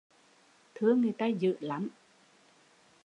Thương người ta dữ lắm